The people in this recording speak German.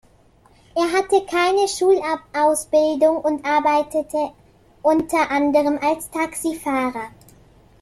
Er hatte keine Schulausbildung und arbeitete unter anderem als Taxifahrer.